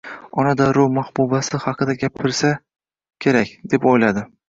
Ona darrov, mahbubasi haqida gapirsa kerak, deb o`yladi